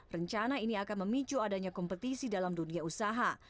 rencana ini akan memicu adanya kompetisi dalam dunia usaha